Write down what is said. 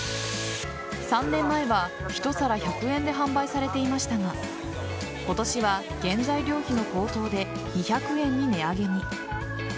３年前は１皿１００円で販売されていましたが今年は原材料費の高騰で２００円に値上げに。